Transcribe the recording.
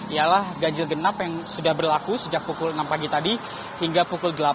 ialah ganjil genap yang sudah berlaku sejak pukul enam pagi tadi hingga pukul delapan